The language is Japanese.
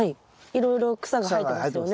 いろいろ草が生えてますよね。